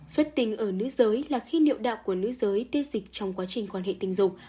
xuất tinh ở nữ giới là khi niệu đạo của nữ giới tiết dịch trong quá trình quan hệ tình dục